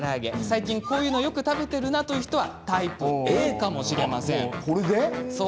最近こういうのよく食べてるなという人はタイプＡかもしれません。